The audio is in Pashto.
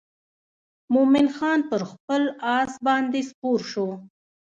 مومن خان پر خپل آس باندې سپور شو.